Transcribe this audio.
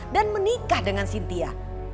dan menikah dengan sintia